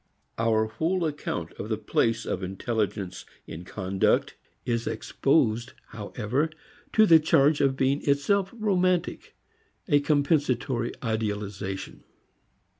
Our whole account of the place of intelligence in conduct is exposed however to the charge of being itself romantic, a compensatory idealization.